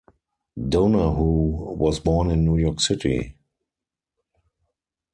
Donahue was born in New York City.